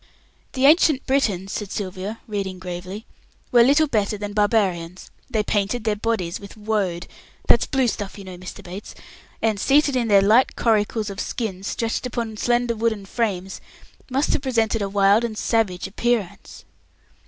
"'The Ancient Britons,'" said Sylvia, reading gravely, "'were little better than Barbarians. They painted their bodies with Woad' that's blue stuff, you know, Mr. Bates 'and, seated in their light coracles of skin stretched upon slender wooden frames, must have presented a wild and savage appearance.'"